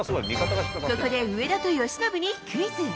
ここで上田と由伸にクイズ。